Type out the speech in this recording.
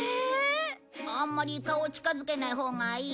あんまり顔を近づけないほうがいい。